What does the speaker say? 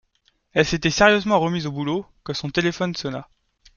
Elle s’était sérieusement remise au boulot quand son téléphone sonna.